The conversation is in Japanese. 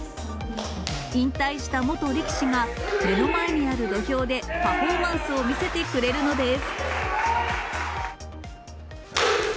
引退した元力士が目の前にある土俵でパフォーマンスを見せてくれるのです。